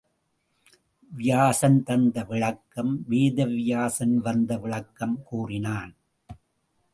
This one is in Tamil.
வியாசன் தந்த விளக்கம் வேத வியாசன் வந்து விளக்கம் கூறினான்.